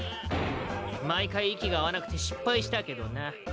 毎回息が合わなくて失敗したけどな。